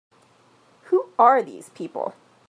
Who are these people?